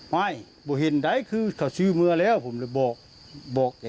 ไม่ว่าเห็นใดคือเขาชื่อเมื่อแล้วผมเลยบอก